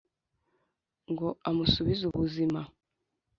ngo amusubize ubuzima.